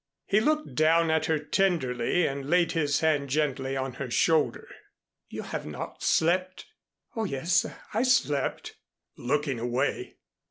He looked down at her tenderly and laid his hand gently on her shoulder. "You have not slept?" "Oh, yes, I slept," looking away.